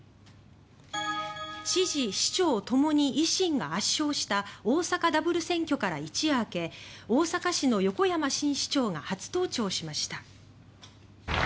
知事、市長ともに維新が圧勝した大阪ダブル選挙から一夜明け大阪市の横山新市長が初登庁しました。